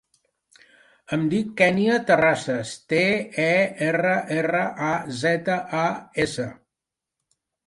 Em dic Kènia Terrazas: te, e, erra, erra, a, zeta, a, essa.